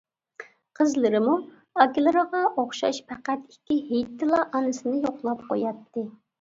قىزلىرىمۇ ئاكىلىرىغا ئوخشاش پەقەت ئىككى ھېيتتىلا ئانىسىنى يوقلاپ قوياتتى.